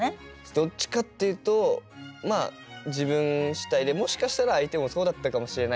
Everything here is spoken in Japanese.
どっちかっていうと自分主体でもしかしたら相手もそうだったかもしれない。